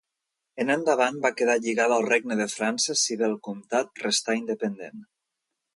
En endavant va quedar lligada al regne de França, si bé el comtat restà independent.